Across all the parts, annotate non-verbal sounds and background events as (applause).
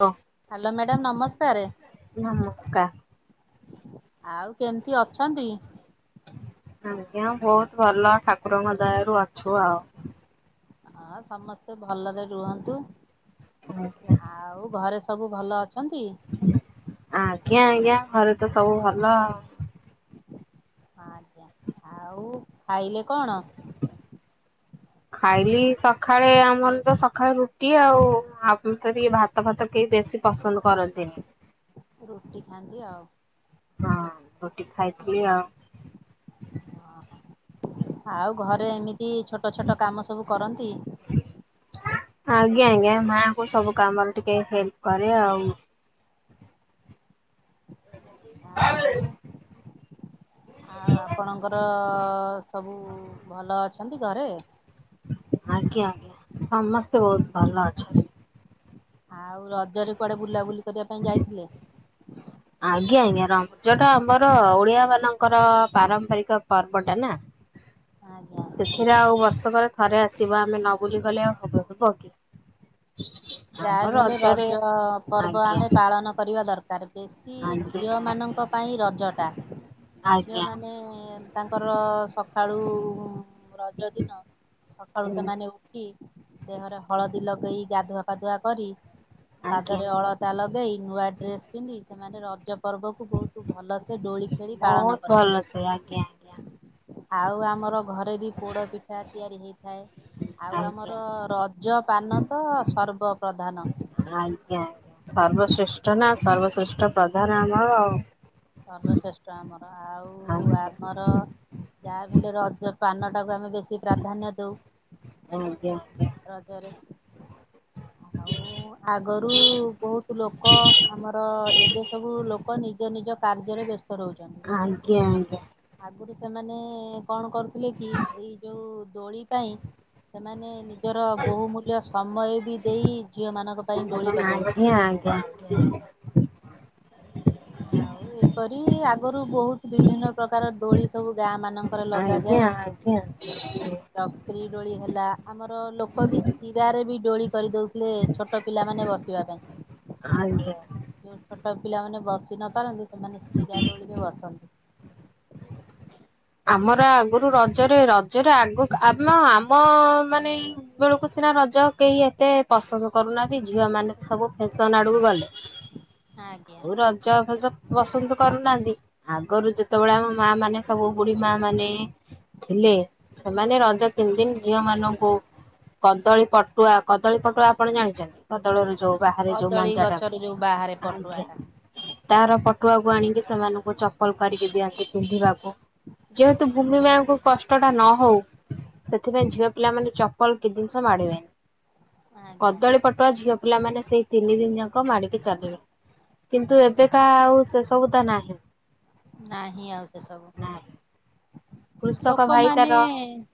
ହଁ hello madam ନମସ୍କାର। ନମସ୍କାର ଆଉ କେମିତି ଅଛନ୍ତି? ଆଜ୍ଞା ବହୁତ ଭଲ ଠାକୁରଙ୍କ ଦାୟାରୁ ଅଛୁ ଆଉ। ହଁ ସମସ୍ତେ ଭଲରେ ରୁହନ୍ତୁ। (inaudible) ଆଉ ଘରେ ସବୁ ଭଲ ଅଛନ୍ତି? ଆଜ୍ଞା ଆଜ୍ଞା ଘରେ ତ ସବୁ ଭଲ ଆଉ। ଆଜ୍ଞା ଆଉ ଖାଇଲେ କଣ? ଖାଇଲି ସକାଳେ ଆମର ତ ସକାଳେ ରୁଟି ଆଉ ଆଗରୁ ତ ତି ଭା ଭାତ ଫାତ କେହି ବେଶୀ ପସନ୍ଦ କରନ୍ତିନି। ରୁଟି ଖାଆନ୍ତି ଆଉ ହଁ ରୁଟି ଖାଇଥିଲି ଆଉ। ହଁ ହଁ ଆଉ ଘରେ ଏମିତି ଛୋଟ ଛୋଟ ଛୋଟ କାମ ସବୁ କରନ୍ତି। ଆଜ୍ଞା ଆଜ୍ଞା ମାଙ୍କୁ ସବୁ କାମରେ ଟିକେ ହେଲ୍ପ କରେ ଆଉ। ଆଉ ଆଉ ଆପଣଙ୍କର ସବୁ ଭଲ ଅଛନ୍ତି ଘରେ? ଆଜ୍ଞା ସମସ୍ତେ ବହୁତ ଭଲ ଅଛନ୍ତି। ଆଉ ରଜରେ କୁଆଡେ ବୁଲାବୁଲି କରିବା ପାଇଁ ଯାଇଥିଲେ? ଆଜ୍ଞା ଆଜ୍ଞା ରଂ ରଜ ଟା ଆମର ଓଡିଆ ମାନଙ୍କର ପାରମ୍ପରିକ ପର୍ବ ଟା ନା। ଆଜ୍ଞା। ସେଥିରେ ଆଉ ବର୍ଷକରେ ଥରେ ଆସିବ ଆମେ ନ ବୁଲି ଗଲେ ଆଉ ହବ ହବ କି? ଆମ ଯାହାବିହେଲେ ରଜରେ ରଜ ପର୍ବ ଆଜ୍ଞା ଆମେ ପାଳନ କରିବା ଦରକାର। ତାର ବେଶୀ ଆଜ୍ଞା ଝିଅମାନଙ୍କ ପାଇଁ ରଜଟା, ଆଜ୍ଞା। ଆଜ୍ଞା ଝିଅମାନେ ତାଙ୍କର ସକାଳୁ ରଜ ଦିନ ସକାଳୁ ହୁଁ ସେମାନେ ଉ ଠିକି ଦେହରେ ହଳଦୀ ଲଗେଇ ଗାଧୁଆ ପାଧୁଆ କରି ଆଜ୍ଞା ପାଦରେ ଅଳ ତା ଲଗେଇଇ ନୂଆ ଡ୍ରେସ୍ ପିନ୍ଧି ସେମାନେ ରଜ ପର୍ବକୁ ବହୁତ ଭଲସେ ଡୋଳି ଖେଳି ପାଳନ ବହୁତ ଭଲ କରନ୍ତି। ସେ ଆଜ୍ଞା ଆଉ ଆମର ଘରେ ବି ପୋଡ଼ ପିଠା ତିଆରି ହେଇଥାଏ ଆଉ ଆଜ୍ଞା। ଆଜ୍ଞା ଆମର ରଜ ପାନ ତ ସର୍ବପ୍ରଧାନ। ଆଜ୍ଞା ଆଜ୍ଞା ସର୍ବଶ୍ରେଷ୍ଠ ନା ସର୍ବଶ୍ରେଷ୍ଠ ପ୍ରଧାନ ଆମର ଆଉ। ସର୍ବଶ୍ରେଷ୍ଠ ଆମର ଆଉ ଆଜ୍ଞା। ଆମର ଯାହାବି ହେଲେ ରଜ ପାନଟାକୁ ଆମେ ବେଶୀ ପ୍ରାଧାନ୍ୟ ଦଉ। (unintelligible) ରାଜରେ ଆଉ ହଁ ଆଗରୁ ବହୁତ ଲୋକ ଆମର ଏବେ ସବୁ ଲୋକ ନିଜ ନିଜ କାର୍ଯ୍ୟରେ ବ୍ୟସ୍ତ। ରହୁଛନ୍ତି। ଆଜ୍ଞା ଆଜ୍ଞା। ଆଗରୁ ସେମାନେ କଣ କରୁଥିଲେ କି ଏଇ ଯୋଉ ଦୋଳି ପାଇଁ ସେମାନେ ନିଜର ବହୁମୂଲ୍ୟ ସମୟ ବି ଦେଇ ଝିଅ ମାନଙ୍କ ପାଇଁ ଡୋଳି ଲଗଉଥି ଆଜ୍ଞା ଆଜ୍ଞା। (inaudible) ଆଉ ଏଇପରି ଆଗରୁ ବହୁତ ବିଭିନ୍ନ ପ୍ରକାର ଦୋଳି ସବୁ ଗାଁ ମାନ ଆଜ୍ଞା ଆଜ୍ଞା। ଚକ୍ରି ଡୋଳି ହେଲା ଆମର ଲୋକ ବି ଶିରାରେ ବି ଡୋଳି କରିଦଉ ଥିଲେ ଛୋଟ ପିଲାମାନେ ବସିବା ପାଇଁ, ଆଜ୍ଞା। ଯୋଉ ଛୋଟ ପିଲାମାନେ ବସି ନ ପାରନ୍ତି ସେମାନେ ଶିରା ଡୋଳିରେ ବସନ୍ତି। ଆମର ଆଗରୁ ରଜରେ ରଜରେ ଆଗକୁ ଆମ ଆମ ମାନେଇ ବେଳକୁ ସିନା ରଜ କେହି ଏତେ ପସନ୍ଦ କରୁନାହାନ୍ତି ଝିଅ ମାନେ ସବୁ ଫ୍ୟାସନ ଆଡକୁ ଗଲେ ହଁ। ଆଉ ରଜ ଫଜ ପସନ୍ଦ କରୁନାହାନ୍ତି ଆଗରୁ ଯେତେବେଳେ ଆମ ମା ମାନେ ସବୁ ବୁଢୀ ମା ମାନେ ଥିଲେ ସେମାନେ ରଜ ତିନି ଦିନ ଝିଅ ମାନଙ୍କୁ କଦଳୀ ପଟୁଆ କଦଳୀ ପଟୁଆ ଆପଣ ଜାଣିଛନ୍ତି? ବଦଳରୁ ଯୋଉ ବାହାରେ ଯୋଉ କଦଳୀ ମଞ୍ଚା ଟାକୁ ଗଛରୁ ଯୋଉ ବାହାରେ ପଟୁଆ ଆଜ୍ଞା। ଟା। ତାର ପଟୁଆକୁ ଆଣିକି ସେମାନଙ୍କୁ ଚପଲ କରିକି ଦିଅନ୍ତି ପିନ୍ଧିବାକୁ। ହୁଁ। ଯେହେତୁ ଭୂମି ମାଙ୍କୁ କଷ୍ଟ ଟା ନ ହଉ ସେଥିପାଇଁ ଝିଅ ପିଲା ମାନେ ଚପଲ କି ଜିନିଷ ମାଡିବେନି ଆଜ୍ଞା। କଦଳୀ ପଟ ଝିଅ ପିଲାମାନେ ସେଇ ତିନି ଦିନି ଯାକ ମାଡିକି ଚାଲିବେ। କିନ୍ତୁ ଏବେକା ଆଉ ସେ ସବୁ ତ ନାହିଁ। ନାହିଁ ଆଉ ସେ ସବୁ। ନାହିଁ କୃଷକ ଭାଇ ଲୋକମାନେ ତାର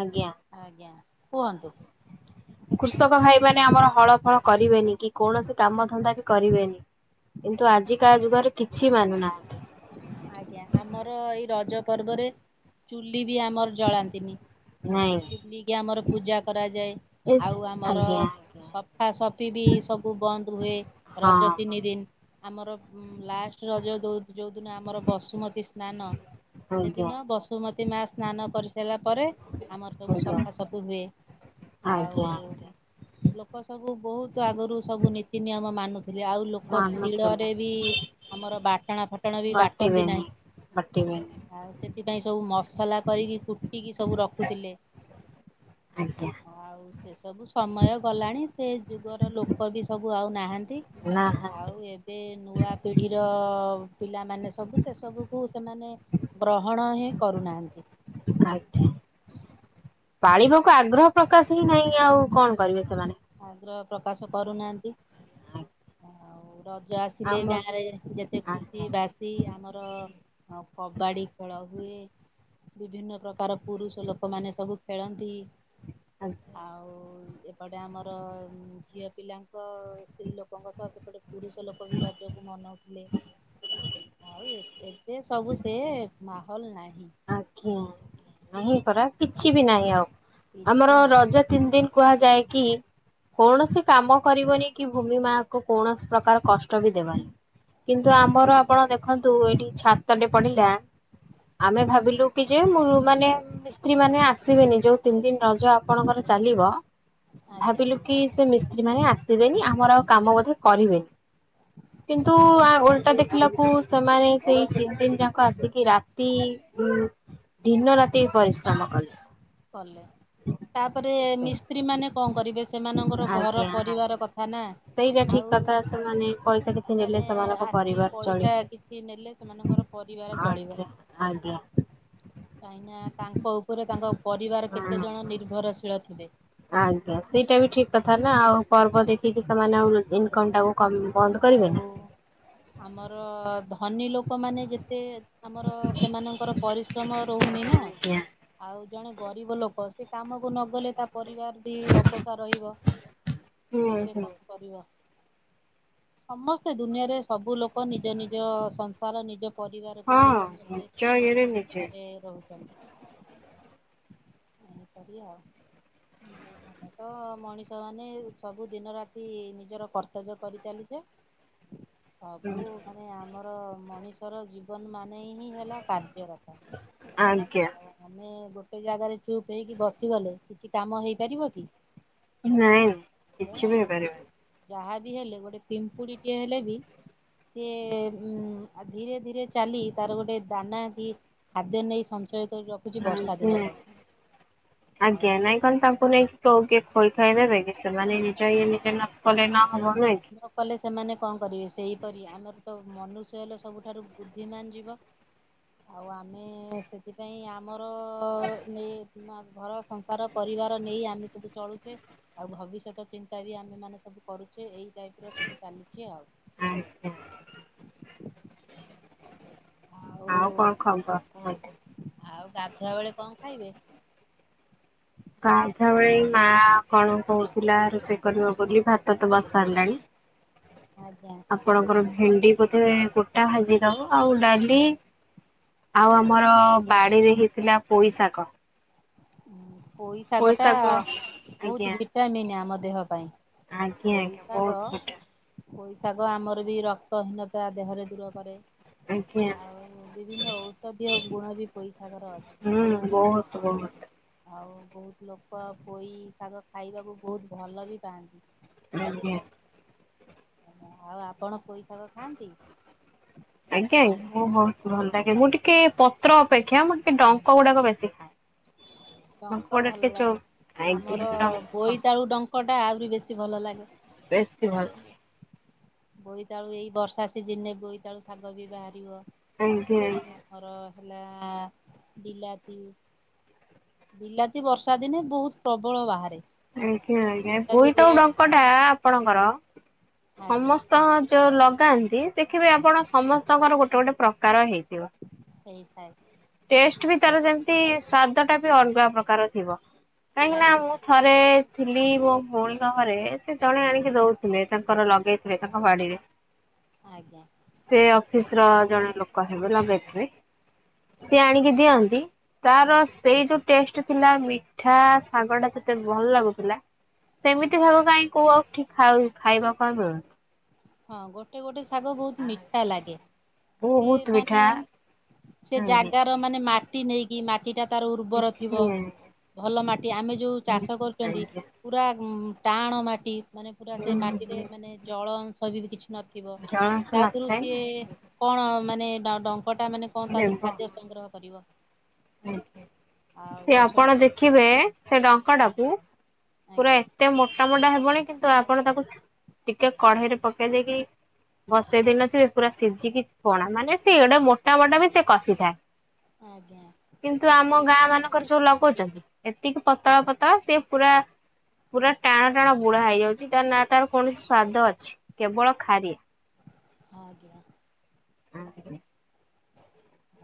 ଆଜ୍ଞା। ଆଜ୍ଞା କୁହନ୍ତୁ। କୃଷକ ଭାଇ ମାନେ ଆମର ହଳ ଫଳ କରିବେନି କି କୌଣସି କାମ ଧନ୍ଦା ବି କରିବେନି। କିନ୍ତୁ ଆଜିକା ଯୁଗରେ କିଛି ମାନୁ ନାହାଁନ୍ତି। ଆଜ୍ଞା ଆମର ଏଇ ରଜ ପର୍ବରେ ଚୁଲି ବି ଆମର ଜଳାନ୍ତିନି ନାଇଁ ଚୁଲିକି ଆମର ପୂଜା କରାଯାଏ ଆଉ ଆମର ଆଜ୍ଞା ଆଜ୍ଞା ସଫା ସଫି ବି ସବୁ ବନ୍ଦ ହୁଏ ରଜ ହଁ। ତିନି ଦିନ। ଆମର ଲାଷ୍ଟ ରଜ ଜଉ ଯଉଦିନ ଆମର ବସୁମତୀ ସ୍ନାନ ଆଜ୍ଞା ସେଦିନ ବସୁମତୀ ମା ସ୍ନାନ କରି ସାରିଲା ପରେ ଆମର ସବୁ ଆଜ୍ଞା ସଫା ସଫି ହୁଏ। ଆଉ ଆଜ୍ଞା ଆଜ୍ଞା ଲୋକ ସବୁ ବହୁତ ଆଗରୁ ସବୁ ନୀତି ନିୟମ ମାନୁଥିଲେ ଆଉ ଲୋ ଲୋକ ମାନୁଥିଲେ ଶିଳରେ ବି ଆମର ବାଟଣା ଫାଟଣ ବି ବାଟନ୍ତି ବାଟିବେନି ନାହିଁ। ବାଟିବେନି ଆଉ ସେଥିପାଇଁ ସବୁ ମସଲା କରିକି କୁଟିକି ସବୁ ରଖୁଥିଲେ। ଆଜ୍ଞା। ଆଉ ସେସବୁ ସମୟ ଗଲାଣି ସେ ଯୁଗର ଲୋକ ବି ସବୁ ଆଉ ନାହାନ୍ତି। ନାହାନ୍ତି ଆଉ ଏବେ ନୂଆ ପିଢିର ପିଲାମାନେ ସବୁ ସେସବୁକୁ ସେମାନେ ଗ୍ରହଣ ହିଁ କରୁନାହାନ୍ତି। ଆଜ୍ଞା। ପାଳିବାକୁ ଆଗ୍ରହ ପ୍ରକାଶ ହିଁ ନାହିଁ ଆଉ କଣ କରିବେ ସେମାନେ। ଆଗ୍ରହ ପ୍ରକାଶ କରୁନାହାନ୍ତି। ହଁ। (inaudible) ଆଉ ରଜ ଆସିଲେ ଗାଁ ରେ ଯେତେ ଆଜ୍ଞା ଖୁସି ଆଜ୍ଞା ବାସି ବାସି ଆମର କବାଡି ଖେଳ ହୁଏ। ବିଭିନ୍ନ ପ୍ରକାର ପୁରୁଷ ଲୋକମାନେ ସବୁ ଖେଳନ୍ତି ଆଉ ସେ ଆମର ଝିଅ ପିଲାଙ୍କ ସ୍ତ୍ରୀ ଲୋକଙ୍କ ସହ ସେପଟେ ପୁରୁଷ ଲୋକ ବି ରଜକୁ ମନଉଥିଲେ। ଆଉ ଏ ଏବେ ସବୁ ସେ ମାହୋଲ ନାହିଁ। ଆଜ୍ଞା ନାହିଁ ପରା କିଛି ବି ନାହିଁ ଆଉ କିଛି ଆମର ନାହିଁ। ରଜ ତିନି ଦିନ କୁହାଯାଏ କି କୌଣସି କାମ କରିବନି କି ଭୂମି ମା ଙ୍କୁ କୌଣସି ପ୍ରକାର କଷ୍ଟ ବି ଦେବନି। କିନ୍ତୁ ଆମର ସେମିତି। ଆପଣ ଦେଖନ୍ତୁ ଏଠି ଛାତଟେ ପଡ଼ିଲା ହ। ଆମେ ଭାବିଲୁ କି ଯେ ମୁଁ ମାନେ ମିସ୍ତ୍ରୀ ମାନେ ଆସିବେନି ଯୋଉ ତିନି ଦିନ ରଜ ଆପଣଙ୍କର ଚାଲିବ ଆଜ୍ଞା ଭାବିଲୁ କି ସେ ମିସ୍ତ୍ରୀ ମାନେ ଆସିବେନି ଆମର ଆଉ କାମ ମଧ୍ୟ କରିବେନି। କିନ୍ତୁ ଆଜ୍ଞା ଓଲଟା ଦେଖିଲାକୁ ସେମାନେ ସେଇ ତିନି ଦିନ ଯାକ ଆସିକି ରା ତି ଦିନ ରାତି ପରିଶ୍ରମ କଲେ। କଲେ। ତାପରେ ମିସ୍ତ୍ରୀ ମାନେ କଣ କରିବେ ସେମାନଙ୍କର ଘର ଆଜ୍ଞା ପରିବାର ଆଜ୍ଞା। କଥା ନା ସେଇଟା ଠିକ ଆଉ କଥା ସେମାନେ ପଇସା କିଛି ନେଲେ ମାନେ ସେମାନଙ୍କ ଆସି ପରିବାର ଚଳିବ। ପଇସା କିଛି କିଛି ନେଲେ ସେମାନଙ୍କର ପରିବାର ଚଳିବ। ଆଜ୍ଞା ଆଜ୍ଞା କାହିଁ ନା ତାଙ୍କ ଉପରେ ତାଙ୍କ ପରିବାର କେତେ ଜଣ ହଁ ନିର୍ଭରଶୀଳ ଥିବେ। ଆଜ୍ଞା ସେଇଟା ବି ଠିକ୍ କଥା ନା ଆଉ ପର୍ବ ଦେଖିକି ସେମାନେ ଆଉ ଇନକମ ଟାକୁ କମ ବନ୍ଦ ଆଉ କରିବେନି। ଆମର ଧନୀ ଲୋକମାନେ ଯେତେ ଆମର ସେମାନଙ୍କର ପରିଶ୍ରମ ରହୁନି ନା। ଆଜ୍ଞା। ଆଉ ଜଣେ ଗରିବ ଲୋକ ସେ କାମକୁ ନଗଲେ ତା ପରିବାର ବି ଅପୋସା ରହିବ। ହୁଁ ସେ ହୁଁ କଣ କରିବ? ସମସ୍ତେ ଦୁନିଆରେ ସବୁ ଲୋକ ନିଜ ନିଜ ସଂସାର ନିଜର ପରିବାରକୁ ନେଇ ହଁ ସମସ୍ତେ ନିଜ ଇଏରେ ନିଜେ ଚିନ୍ତାରେ ରହୁଛନ୍ତି। ଏ କରିି ଆଉ ଆମେ ତ ମଣିଷ ମାନେ ସବୁ ଦିନ ରାତି ନିଜର କର୍ତ୍ତବ୍ୟ କରିଚାଲିଛେ। ହୁଁ ସବୁ ମାନେ ଆମର ମଣିଷର ଜୀବନ ମାନ ହିଁ ହେଲା କାର୍ଯ୍ୟରତ ଆଜ୍ଞା। ଆଉ ଆମେ ଗୋଟେ ଜାଗାରେ ଚୁପ ହେଇକି ବସିଗଲେ କିଛି କାମ ହେଇପାରିବ କି? ନାଇଁ ନାଇଁ କିଛି ବି ଆମ ହେଇପାରିବନି ଯାହା ବି ହେଲେ ଗୋଟେ ପିମ୍ପୁଡି ଟେ ହେଲେ ବି ସେି ଉ ଧୀରେ ଧୀରେ ଚାଲି ତାର ଗୋଟେ ଦାନା କି ଖାଦ୍ୟ ନେଇ ସଞ୍ଚୟ କରି ରଖ ଆ ସେ ଆଉ ଆଜ୍ଞା ନାଇଁ କଣ ତାଙ୍କୁ ନେଇ କଉ କିଏ ଖୋଇ ଖାଇଦେବେ କି ସେମାନେ ନିଜେ ଇଏ ନିଜେ ନ କଲେ ନା (inaudible) କଲେ ସେମାନେ କଣ କରିବେ ସେଇପରି ଆମର ତ ମନୁଷ୍ୟ ହେଲେ ସବୁଠାରୁ ବୁଦ୍ଧିମାନ ଯିବ। ଆଉ ଆମେ ସେଥିପାଇଁ ଆମର ନେ ଘର ସଂସାର ପରିବାର ନେଇ ଆମେ ସବୁ ଚଳୁଛେ। ଆଉ ଭବିଷ୍ୟତ ଚିନ୍ତା ବି ଆମେ ମାନେ ସବୁ କରୁଛେ ଏଇ ଟାଇପ ର ସବୁ ଚାଲିଛି ଆଉ। ହଁ (inaudible) ଆଉ କଣ ଖବର କୁହନ୍ତୁ? ଆଉ ଗାଧୁଆ ବେଳେ କଣ ଖାଇବେ? ଗାଧାବେଳେ ମା କଣ କହୁଥିଲା ରୋଷେଇ କରିବ ବୋଲି ଭାତ ତ ବସାରିଲାଣି। ଆଜ୍ଞା। ଆପଣଙ୍କର ଭେଣ୍ଡି ବୋଧେ ଗୋଟା ଭାଜି ଦବ ଆଉ ଡାଲି ଆଉ ଆମର ବାଡିରେ ହେଇଥିଲା ପୋଇ ଶାଗ। ପୋଇ ଶାଗ ଟା ବହୁତ ଆଜ୍ଞା ଭିଟାମିନ ଆମ ଦେହ ପାଇଁ। ଆଜ୍ଞା ପୋଇ ଆଜ୍ଞା ଶାଗ। ବହୁତ ବଢିଆ ପୋଇଶାଗ ଆମର ବି ରକ୍ତହୀନତା ଦେହରେ ଦୂର କରେ। ଆଜ୍ଞା ଆଉ ବିଭିନ୍ନ ଔଷଧୀୟ ଗୁଣ ବି ପଇସାଗର ଅଛି। ହୁଁ ବହୁତ ବହୁ। ଆଉ ବହୁତ ଲୋକ ପୋଇ ଶାଗ ଖାଇବାକୁ ବହୁତ ଭଲ ବି ପାଆନ୍ତି। ହୁଁ ହୁଁ (inaudible) ଆଉ ଆପଣ ପୋଇଶାଗ ଖାଆନ୍ତି? ଆଜ୍ଞା ଆଜ୍ଞା ମୁଁ ବହୁତ ଭଲ ଲାଗେ ମୁଁ ଟିକେ ପତ୍ର ଅପେକ୍ଷା ମୁଁ ଟିକେ ଡଙ୍କ ଗୁଡାକ ବେଶୀ ଖାଏ ଡଙ୍କ ଭଲ ଟିକେ ଚୋ ଲାଗେ ଆମର ଆଜ୍ଞା ବୋଇତାଳୁ ଡଙ୍କଟା ଆହୁରି ବେଶୀ ଭଲ ଲାଗେ। ବେଶୀ ଭଲ। ବୋଇତାଳୁ ଏଇ ବର୍ଷା ସିଜନି ରେ ବୋଇତାଳୁ ଶାଗ ବି ବାହାରିବ। ଆଜ୍ଞା (inaudible) ଆମର ହେଲା ବିଲାତି ବିଲାତି ବର୍ଷା ଦିନେ ବହୁତ ପ୍ରବଳ ବାହାରେ। ଆଜ୍ଞା! ଆଜ୍ଞା! ଏ ସେଟା ବି ବୋଇତାଳୁ ରେଟ୍ ଡଙ୍କ ଟା ଆପଣଙ୍କର ଆଜ୍ଞା ସମସ୍ ସ୍ତଙ୍କ ଯୋଉ ଲଗାନ୍ତି ଦେଖିବେ ଆପଣ ସମସ୍ତଙ୍କର ଗୋଟେ ଗୋଟେ ପ୍ରକାର ହେଇଥିବ। ହେଇଥାଏ। ଟେଷ୍ଟ ବି ତାର ଯେମିତି ସ୍ଵାଦ ଟା ବି ଅଲଗା ପ୍ରକାର ଥିବ କାହିଁକି ନା ଲାଗେ ମୁଁ ଥରେ ଥିଲି ମୋ ଭଉଣୀଙ୍କ ଘରେ ସେ ଜଣେ ଆଣିକି ଦଉଥିଲେ ତାଙ୍କର ଲଗେଇଥିଲେ ତାଙ୍କ ବାଡ଼ି ରେ ଆଜ୍ଞା! ସେ ଅଫିସ୍ ର ଜଣେ ଲୋକ ହେବେ ଲଗେଇଥିବେ ସିଏ ଆଣିକି ଦିଅନ୍ତି ଆ ତାର ସେଇ ଯୋଉ ଟେଷ୍ଟ ଥିଲା ମିଠା ଶାଗ ଟା ଯେତେ ଭଲ ଲାଗୁଥିଲା ସେମିତି ଶାଗ କାହିଁ କୋଉ ଆଉଠିକ ଖାଉ ଖାଇବାକୁ ଆଉ ମିଳୁନି ହଁ ଗୋଟେ ଗୋଟେ ଶାଗ ବହୁତ୍ ମିଠା ଲାଗେ। ସିଏ ବହୁତ ମାନେ ସେ ଜାଗାର ମାନେ ମାଟି ନେଇକି ମା ଟିଟା ତାର ଉର୍ବର ଥିବ ମିଠା ଭଲ ମାଟି ଆମେ ଯଉ ଚାଷ କରୁଛନ୍ତି ଆଜ୍ଞା ପୁରା ଟାଣ ମାଟି ମାନେ ପୁରା ସେ ମାଟିରେ ମାନେ ଜଉ ଜଳଅଂଶ ବି କିଛି ନଥିବ ଜଳାଂଶ ତା ଦେହରୁ ନଥାଏ ସିଏ ନା କଣ ମାନେ ତା ଡଙ୍କ ଟା ମାନେ କଣ ତା ଦେହରୁ ଦେବ। ଖାଦ୍ୟ ସଂଗ୍ରହ କରିବ? ଆଉ ସେ ଗଛ ବି ଆପଣ ଦେଖିବେ ସେ ଡଙ୍କ ଟାକୁ ପୁରା ଆଜ୍ଞା ଏତେ ମୋଟା ମୋଟା ହେବଣୀ କିନ୍ତୁ ଆପଣ ତାକୁ ଟିକେ କଢେଇରେ ପକେଇ ଦେଇକି ବସେଇ ଦେଇନଥିବେ ପୁରା ସିଝିକି ପଣା ମାନେ ସେ ଗୋଟେ ମୋଟା ମୋଟା ବି ସେ କଷିଥାଏ। ଆଜ୍ଞା! କିନ୍ତୁ ଆମ ଗାଁ ମାନଙ୍କର ସବୁ ଲଗଉଛନ୍ତି ଏତିକି ପତଳା ପତଳା ସିଏ ପୁରା ପୁରା ଟାଣ ଟାଣ ବୁଢ଼ା ହେଇଯାଉଛି ତ ନା ତାର କୌଣସି ସ୍ଵାଦ ଅଛି କେବଳ ଖାରିଆ ଆଜ୍ଞା! (unintelligible)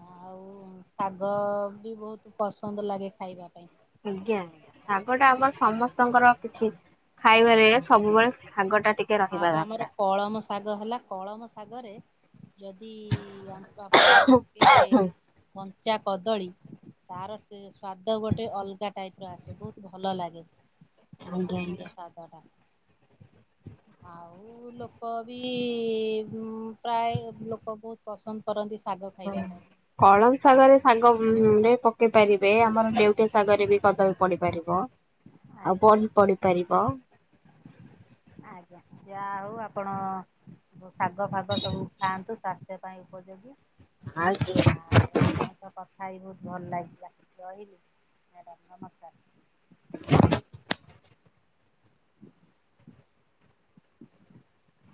ଆଉ ଶାଗ ବି ବହୁତ ପସନ୍ଦ ଲାଗେ ଖାଇବା ପାଇଁ। ଆଜ୍ଞା! ଶାଗ ଟା ଆମର ସମସ୍ତଙ୍କର କିଛି ଖାଇବାରେ ସବୁବେଳେ ଶାଗ ଟା ଟି ଆଉ ଆମର କଳମ ଶାଗ ହେଲା କଳମ ଶାଗରେ ଯଦି (unintelligible) ଆପଣ ପିଇବେ କଞ୍ଚା କଦଳୀ ତାର ସ୍ଵାଦ ଗୋଟେ ଅଲଗା ଟାଇପ୍ ର ଆସେ ବହୁତ ଭଲ ଲାଗେ। (unintelligible) ସ୍ୱାଦ ଟା ଆଉ ଲୋକ ବି ପ୍ରାୟ ଲୋକ ବହୁତ ପସନ୍ଦ କରନ୍ତି ଶାଗ ଖାଇବା ପାଇଁ। କଳମ ଶାଗରେ, ଶାଗରେ ପକେଇ ପାରିବେ ଆମର ନେଉଟିଆ ଶାଗରେ ବି କଦଳୀ ପଡ଼ି ପାରିବ, ଆଉ ଆଜ୍ଞା। ବଡ଼ି ପଡ଼ି ପାରିବ। ଆଜ୍ଞା ଯାହା ହଉ ଆପଣ ଶାଗ ଫାଗ ସବୁ ଖାଆନ୍ତୁ ସ୍ୱାସ୍ଥ୍ୟ ପାଇଁ ଉପଯୋଗୀ। (unintelligible) ଆଜ୍ଞା ଆପଣଙ୍କ ସହ କଥା ହେଇ ବହୁତ ଭଲ ଲାଗିଲା ରହିଲି, ମ୍ୟାଡ଼ାମ୍ ନମସ୍କାର! (inaudible) (inaudible)